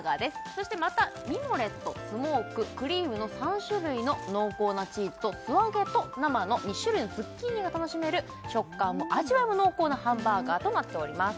そしてまたミモレットスモーククリームの３種類の濃厚なチーズと素揚げと生の２種類のズッキーニが楽しめる食感も味わいも濃厚なハンバーガーとなっております